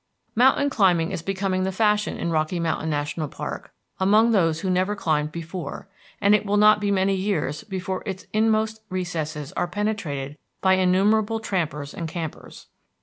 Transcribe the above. Mountain climbing is becoming the fashion in Rocky Mountain National Park among those who never climbed before, and it will not be many years before its inmost recesses are penetrated by innumerable trampers and campers.